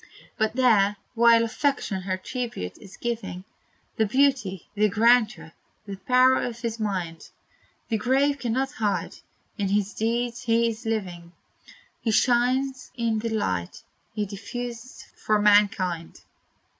But there, while affection her tribute is giving, The beauty, the grandeur, the power of his mind The grave cannot hide! in his deeds he is living; He shines in the light he diffused for mankind!